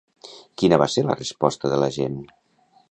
Quina va ser la resposta de la gent?